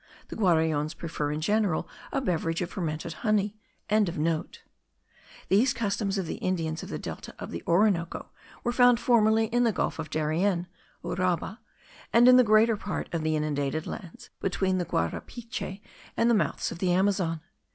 The Guaraons prefer in general a beverage of fermented honey.) These customs of the Indians of the delta of the Orinoco were found formerly in the Gulf of Darien (Uraba), and in the greater part of the inundated lands between the Guarapiche and the mouths of the Amazon.